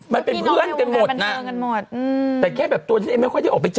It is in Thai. ไม่รววงต้องบับรบร้าคุณแม่เก่ง